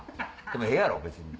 でもええやろ別に。